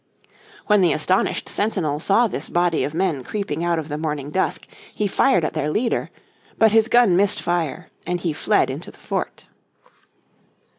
When the astonished sentinel saw this body of men creeping out of the morning dusk he fired at their leader. But his gun missed fire and he fled into the fort.